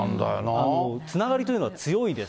つながりというのは強いです